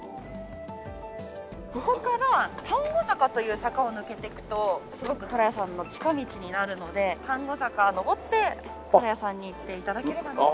ここから丹後坂という坂を抜けていくとすごくとらやさんの近道になるので丹後坂を上ってとらやさんに行って頂ければなと。